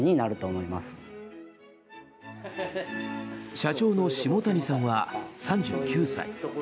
社長の下谷さんは３９歳。